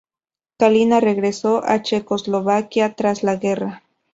Kalina regresó a Checoslovaquia tras la guerra.